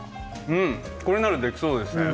うん、これならできそうですね。